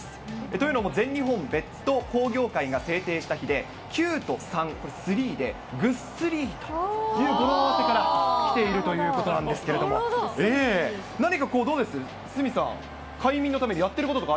というのも、全日本ベッド工業会が制定した日で、９と３、スリーで、ぐっすりという語呂合わせからきているということなんですけれどなるほど。